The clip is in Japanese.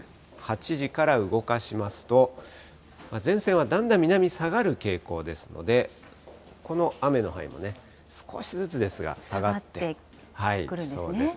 ８時から動かしますと、前線はだんだん南に下がる傾向ですので、この雨の範囲も少しずつですが、下がってきそうです。